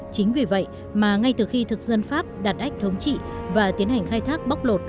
chính vì vậy mà ngay từ khi thực dân pháp đạt ách thống trị và tiến hành khai thác bóc lột